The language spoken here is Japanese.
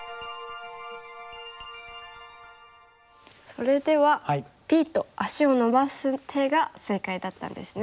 それではＢと足を伸ばす手が正解だったんですね。